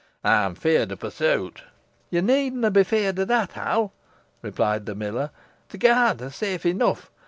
"Ey'm feerd o' pursuit." "Yo' needna be afeerd o' that, Hal," replied the miller. "T' guard are safe enough.